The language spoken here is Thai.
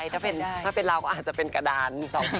ถ้าเป็นเราก็อาจจะเป็นกระดาน